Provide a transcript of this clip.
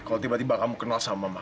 kalau tiba tiba kamu kenal sama mama